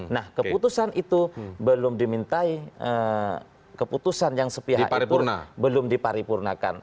nah keputusan itu belum dimintai keputusan yang sepihak itu belum diparipurnakan